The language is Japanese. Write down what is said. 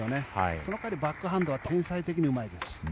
その代わり、バックハンドは天才的にうまいです。